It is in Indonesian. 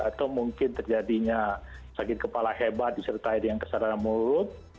atau mungkin terjadinya sakit kepala hebat disertai dengan kesadaran mulut